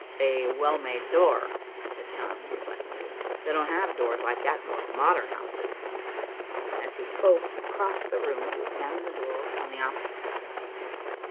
"A well made door," said Tom reflectively. "They don't have doors like that in most modern houses." As he spoke, he crossed the room to examine the door on the opposite side.